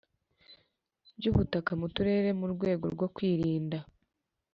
By ubutaka mu turere mu rwego rwo kwirinda